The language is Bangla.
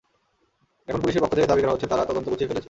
এখন পুলিশের পক্ষ থেকে দাবি করা হচ্ছে, তারা তদন্ত গুছিয়ে ফেলেছে।